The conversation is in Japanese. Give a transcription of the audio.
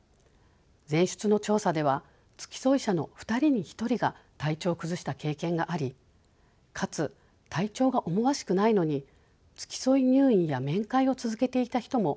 前出の調査では付き添い者の２人に１人が体調を崩した経験がありかつ体調が思わしくないのに付き添い入院や面会を続けていた人も５割強いました。